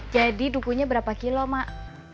jadi dukunya berapa kilo mak